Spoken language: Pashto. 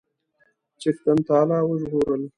چښتن تعالی وژغورل.